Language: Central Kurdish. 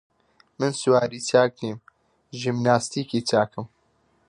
من سواری چاک نییم، ژیمناستیکی چاکم!